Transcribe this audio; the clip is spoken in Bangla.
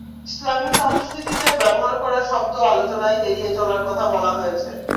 ইসলামি সংস্কৃতিতে ব্যবহার করা শব্দ আলোচনায় এড়িয়ে চলার কথা বলা হয়েছে।